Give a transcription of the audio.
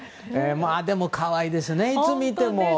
でも可愛いですね、いつ見ても。